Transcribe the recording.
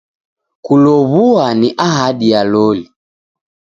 Kulow'ua ni ahadi ya loli.